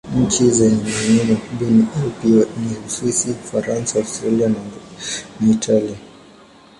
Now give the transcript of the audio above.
Nchi zenye maeneo makubwa ya Alpi ni Uswisi, Ufaransa, Austria na Italia.